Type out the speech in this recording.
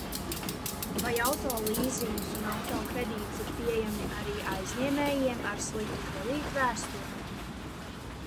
Vai auto līzings un auto kredīts ir pieejami arī aizņēmējiem ar sliktu kredītvēsturi?